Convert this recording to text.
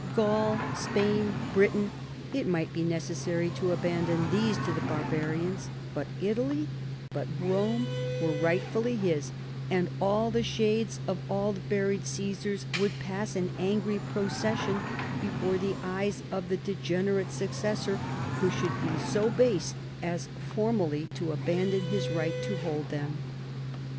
Gaul, Spain, Britain — it might be necessary to abandon these to the barbarians — but Italy, but Rome, were rightfully his, and all the shades of all the buried Caesars would pass in angry procession before the eyes of the degenerate succes sor who should be so base as formally to abandon his right to hold them.